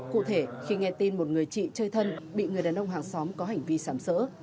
cụ thể khi nghe tin một người chị chơi thân bị người đàn ông hàng xóm có hành vi sảm sỡ